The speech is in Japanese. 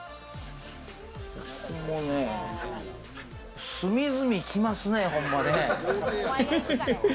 ここも隅々きますね、ほんまね。